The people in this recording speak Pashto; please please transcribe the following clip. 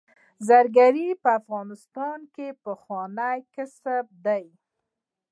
زرګري په افغانستان کې پخوانی کسب دی